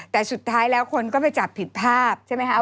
แต่สุดท้ายแล้วคนก็ไปจับผิดภาพใช่ไหมคะ